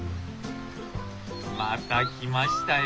また来ましたよ